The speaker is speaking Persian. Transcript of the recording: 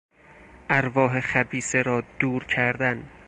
ارواح خبیثه را دور کردن